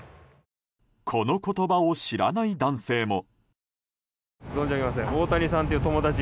この言葉を知らない男性も。